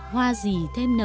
hoa gì trắng đỏ cùng cây